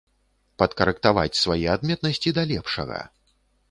Падкарэктаваць свае адметнасці да лепшага.